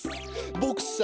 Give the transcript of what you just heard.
ボクさ